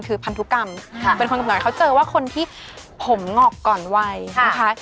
คือพันธุกรรมเป็นคนกำหนดเขาเจอว่าคนที่ผมหงอกก่อนวัยนะคะ